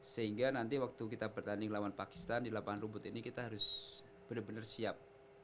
sehingga nanti waktu kita bertanding lawan pakistan di lapangan rumput ini kita harus benar benar siap